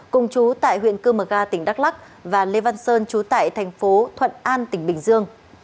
cùng chú tại huyện cư mờ ga tỉnh đắk lắc và lê văn sơn chú tại tp thuận an tỉnh bình dương